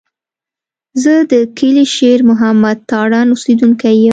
زه د کلي شېر محمد تارڼ اوسېدونکی یم.